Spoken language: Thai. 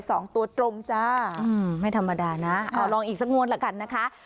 สองตัวตรงจ้าอืมไม่ธรรมดานะเอาลองอีกสักงวดละกันนะคะ